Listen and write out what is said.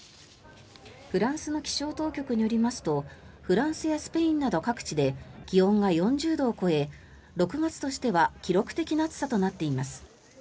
フランスの気象当局によりますとフランスやスペインなど各地で気温が４０度を超え６月としては記録的な暑さとなっています。